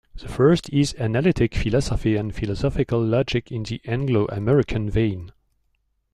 The first is analytic philosophy and philosophical logic in the Anglo-American vein.